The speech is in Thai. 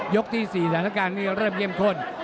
ยกที่๔สถานการณ์เริ่มเยี่ยมข้น